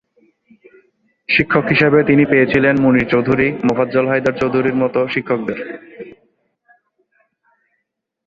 শিক্ষক হিসেবে তিনি পেয়েছিলেন মুনির চৌধুরী, মোফাজ্জল হায়দার চৌধুরীর মত শিক্ষকদের।